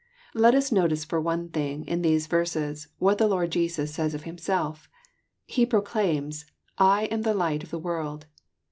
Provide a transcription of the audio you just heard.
Let us notice, for one thing, in these verses, what the Lord Jesus says of Hirriself. He proclaims, "I am the light of the world.